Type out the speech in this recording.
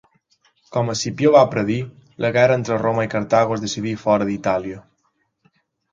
Com Escipió va predir, la guerra entre Roma i Cartago es decidí fora d'Itàlia.